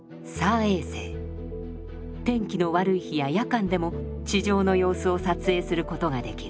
天気の悪い日や夜間でも地上の様子を撮影することができる。